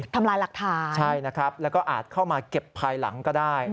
ทำลายหลักฐานใช่นะครับแล้วก็อาจเข้ามาเก็บภายหลังก็ได้